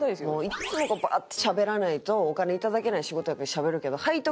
いつもバーッてしゃべらないとお金いただけない仕事やからしゃべるけど背徳